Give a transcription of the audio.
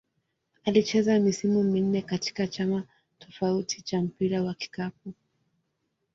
Alicheza misimu minne katika Chama cha taifa cha mpira wa kikapu.